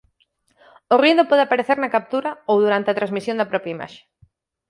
O ruído pode aparecer na captura ou durante a transmisión da propia imaxe.